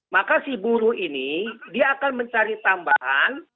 maka si buruh ini dia akan mencari tambahan